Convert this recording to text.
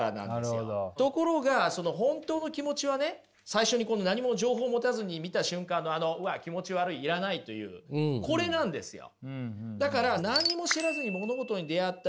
最初に何も情報持たずに見た瞬間のあの「うわ気持ち悪い要らない」というこれなんですよ。